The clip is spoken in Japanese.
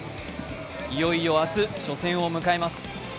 いよいよ明日、初戦を迎えます。